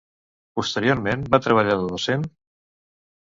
Posteriorment va treballar de docent?